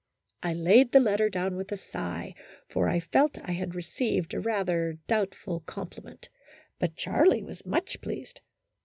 I laid the letter down with a sigh, for I felt I had received rather a doubtful compliment, but Charlie was much pleased.